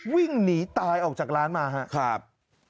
วิ่งหนีตายออกจากร้านมาครับ